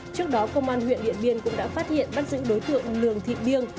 trước đó công an huyện điện biên cũng đã phát hiện bắt giữ đối tượng lường thị biên